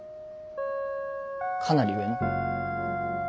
かなり上の。